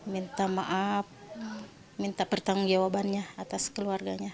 minta maaf minta pertanggung jawabannya atas keluarganya